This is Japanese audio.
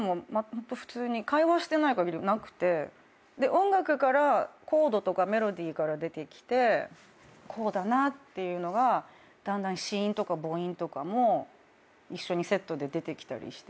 音楽からコードとかメロディーから出てきてこうだなっていうのがだんだん子音とか母音とかも一緒にセットで出てきたりして。